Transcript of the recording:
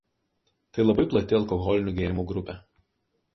Tai labai plati alkoholinių gėrimų grupė.